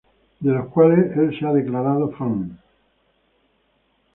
De las cuales el se ha declarado fan.